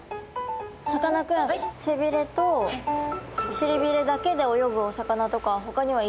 さかなクン背びれとしりびれだけで泳ぐお魚とかはほかにはいるんですか？